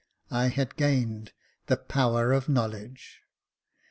I had gained the power of knowledge.